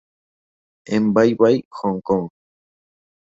En "¡Bye bye, Hong Kong!